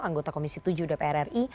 anggota komisi tujuh dprn